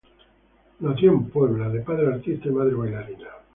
Nació en Nueva York, de padre artista y madre bailarina.